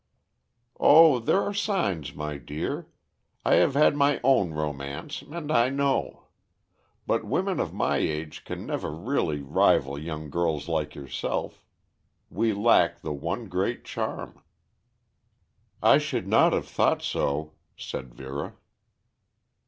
"Oh, there are signs, my dear. I have had my own romance and I know. But women of my age can never really rival young girls like yourself. We lack the one great charm." "I should not have thought so," said Vera.